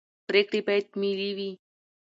پرېکړې باید ملي وي